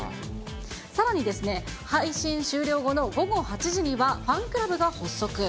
さらにですね、配信終了後の午後８時には、ファンクラブが発足。